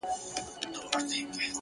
زحمت د باور ثبوت دی.!